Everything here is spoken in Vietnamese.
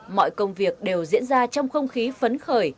mọi công việc đều diễn ra trong không khí phấn khởi